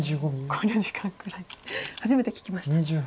考慮時間ぐらい初めて聞きました。